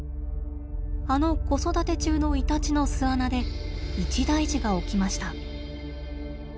あの子育て中のイタチの巣穴で一大事が起きました。